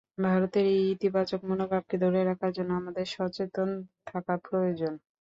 ভারতের এই ইতিবাচক মনোভাবকে ধরে রাখার জন্য আমাদের সচেতন থাকা প্রয়োজন।